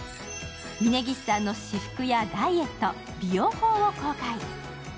峯岸さんの私服やダイエット、美容法を公開。